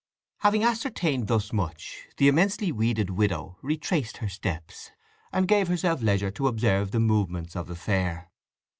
Having ascertained thus much the immensely weeded widow retraced her steps, and gave herself leisure to observe the movements of the fair.